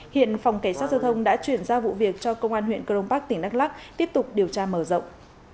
hiện phòng cảnh sát giao thông đã chuyển ra vụ việc cho công an huyện crong park tỉnh đắk lắc tiếp tục điều tra mở rộng